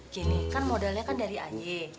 gini kan modalnya kan dari aye